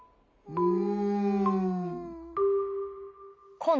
うん！